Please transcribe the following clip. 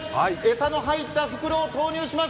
餌の入った袋を投入します。